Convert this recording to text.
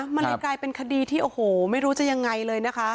มันเลยกลายเป็นคดีที่โอ้โหไม่รู้จะยังไงเลยนะคะ